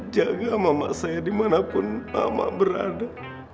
jaga mama saya dimanapun emak berada